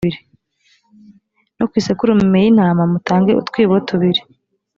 no ku isekurume y’intama mutange utwibo tubiri.